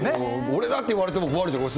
俺だって言われても困るし。